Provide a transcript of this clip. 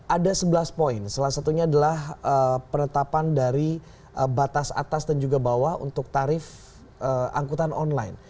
ada sebelas poin salah satunya adalah penetapan dari batas atas dan juga bawah untuk tarif angkutan online